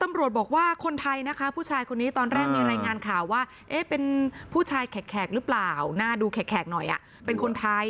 ตำรวจบอกว่าคนไทยนะค่ะมีรายงานข่าวว่าเป็นผู้ชายแข็กหรือเปล่า